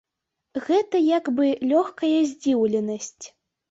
Гэта як бы лёгкая здзіўленасць.